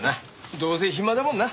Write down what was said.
どうせ暇だもんな。